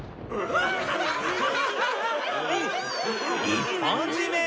・一本締め。